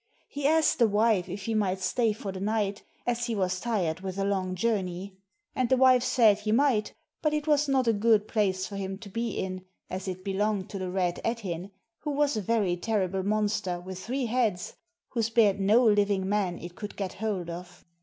He asked the wife if he might stay for the night, as he was tired with a long journey ; and the wife said he might, but it was not a good place for him to be in, as it belonged to the Red Ettin, who was a very terrible monster with three heads, who spared no living man it could get hold of.